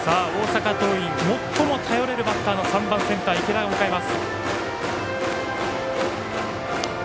大阪桐蔭最も頼れるバッターの３番センター、池田を迎えます。